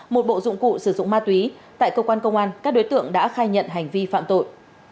một bộ dụng cụ sử dụng ma túy tại cơ quan công an các đối tượng đã khai nhận hành vi phạm tội